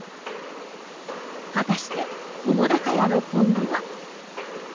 果たして、澤瀉屋の今後は。